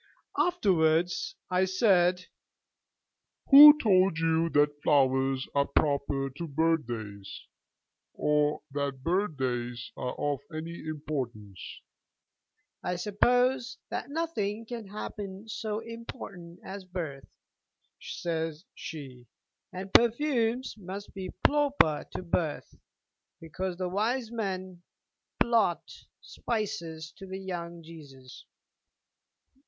Afterwards I said: 'Who told you that flowers are proper to birthdays? or that birthdays are of any importance?' 'I suppose that nothing can happen so important as birth,' says she: 'and perfumes must be ploper to birth, because the wise men blought spices to the young Jesus.'